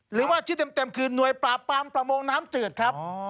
หรือว่าชื่อเต็มคือหน่วยปราบปรามประมงน้ำจืดครับ